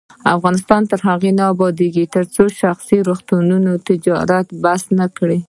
افغانستان تر هغو نه ابادیږي، ترڅو شخصي روغتونونه تجارت بس نکړي.